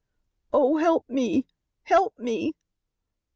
"Oh, help me! Help me!"